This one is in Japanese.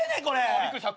びっくりした。